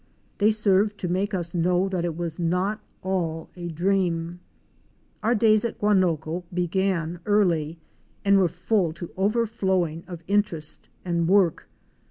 They served to make us know that it was not all a dream. Our days at Guanoco began early and were full to over flowing of interest and of work.